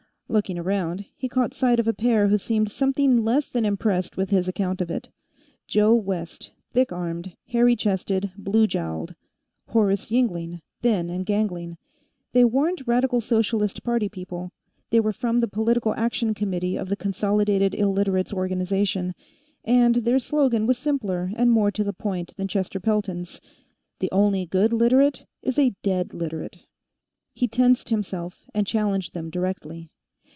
Looking around, he caught sight of a pair who seemed something less than impressed with his account of it. Joe West, thick armed, hairy chested, blue jowled; Horace Yingling, thin and gangling. They weren't Radical Socialist party people; they were from the Political Action Committee of the Consolidated Illiterates Organization, and their slogan was simpler and more to the point than Chester Pelton's the only good Literate is a dead Literate. He tensed himself and challenged them directly.